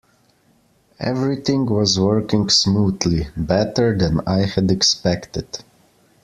Everything was working smoothly, better than I had expected.